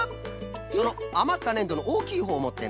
そのあまったねんどのおおきいほうをもってな。